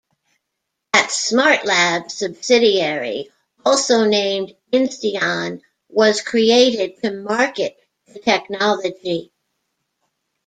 A Smartlabs subsidiary, also named Insteon, was created to market the technology.